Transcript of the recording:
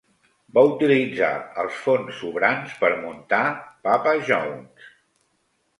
Va utilitzar els fons sobrants per muntar Papa John's.